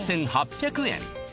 ８８００円